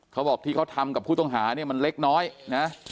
เขาบอกที่เขาทำกับผู้ต้องหาเนี่ยมันเล็กน้อยนะ